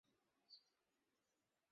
তোমার থেরাপির সেশনগুলো কেমন যাচ্ছে?